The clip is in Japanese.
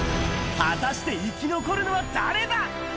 果たして、生き残るのは誰だ？